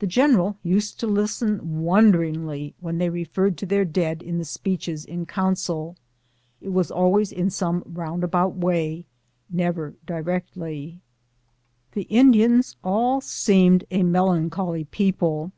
The general used to listen won deringly when they referred to their dead in the speeches in council. It was always in some roundabout way, never directly. The Indians all seemed a melancholy people.